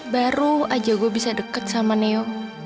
baru aja gue bisa deket sama neo